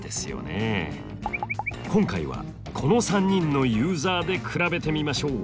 今回はこの３人のユーザーで比べてみましょう。